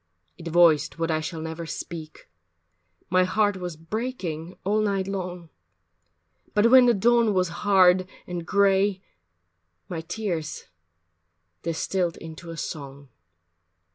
It voiced what I shall never speak, My heart was breaking all night long, But when the dawn was hard and gray, My tears distilled into a song.